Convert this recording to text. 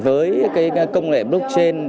với công nghệ blockchain